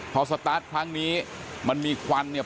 พอสตาร์ทครั้งนี้มันมีควันเนี่ย